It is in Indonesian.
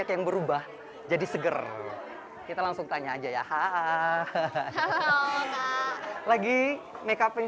itu kan juga jadi lebih gampang kalau saling make up in